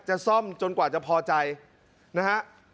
จะซ่อมจนกว่าจะพอใจนะฮะ